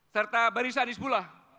serta barisan ispulah